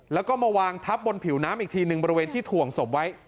แล้วก็มาวางทับบนผิวน้ำอีกทีหนึ่งบริเวณที่ถ่วงศพไว้